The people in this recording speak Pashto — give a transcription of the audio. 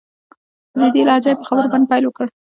په جدي لهجه يې په خبرو باندې پيل وکړ.